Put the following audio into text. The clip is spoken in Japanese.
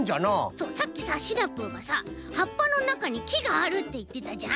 そうさっきさシナプーがさはっぱのなかにきがあるっていってたじゃん？